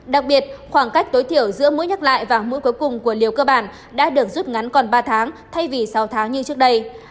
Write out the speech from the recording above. đặc biệt khoảng cách tối thiểu giữa mũi nhắc lại và mũi cuối cùng của liều cơ bản đã được rút ngắn còn ba tháng thay vì sáu tháng như trước đây